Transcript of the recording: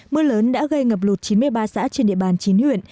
mưa lớn đã gây ngập lụt chín mươi ba xã trên địa bàn chín huyện